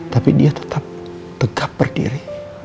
tapi dia tetap berdiri